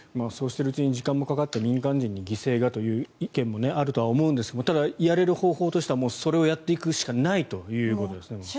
そうしているうちに時間もかかって民間人に犠牲はという意見もあるとは思うんですがただ、やれる方法としてはもうそれをやっていくしかないということですね。